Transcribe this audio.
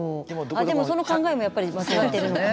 でもその考えもやっぱり間違ってるのかな。